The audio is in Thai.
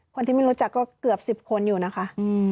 คนที่ไม่รู้จักก็เกือบ๑๐คนอยู่นะคะ